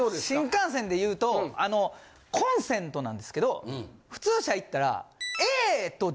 新幹線で言うとコンセントなんですけど普通車行ったら。